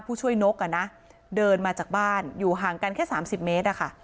ผู้ช่วยนกอ่ะนะเดินมาจากบ้านอยู่ห่างกันแค่๓๐เมตรอะค่ะ